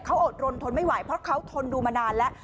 เขาอดรนทนไม่ไหวเพราะเขาทนดูมานานแล้ว